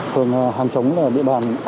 phường hàng chống là địa bàn